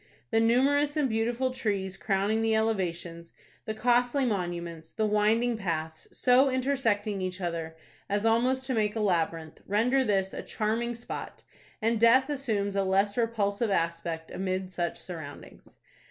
The numerous and beautiful trees crowning the elevations, the costly monuments, the winding paths, so intersecting each other as almost to make a labyrinth, render this a charming spot, and death assumes a less repulsive aspect amid such surroundings.